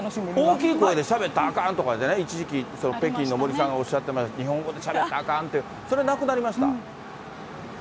大きい声でしゃべったらあかんとかってね、一時期、北京のもりさんがおっしゃってましたが、日本語でしゃべったらあかんって、それ、なくなりました？